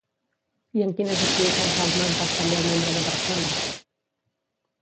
I en quines activitats ha augmentat també el nombre de persones?